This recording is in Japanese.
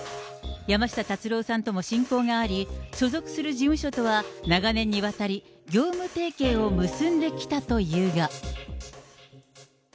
山下達郎さんとも親交があり、所属する事務所とは、長年にわたり、業務提携を結んできたというが。